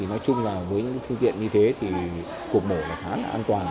nói chung là với những phương tiện như thế thì cuộc mổ khá là an toàn